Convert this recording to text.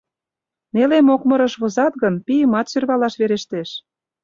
Неле мокмырыш возат гын, пийымат сӧрвалаш верештеш».